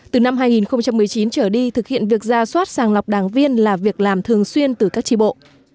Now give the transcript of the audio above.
từ năm hai nghìn một mươi chín trở đi thực hiện việc ra soát sàng lọc đảng viên là việc làm thường xuyên từ các tri bộ